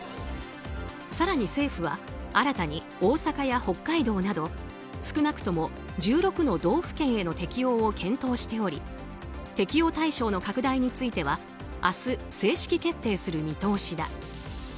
更に政府は新たに大阪や北海道など少なくとも１６の道府県への適用を検討しており適用対象の拡大については明日、正式決定する見通しだ。